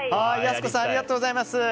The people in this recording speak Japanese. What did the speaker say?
泰湖さんありがとうございます。